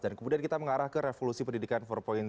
dan kemudian kita mengarah ke revolusi pendidikan empat